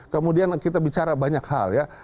kemudian kita bicara banyak hal ya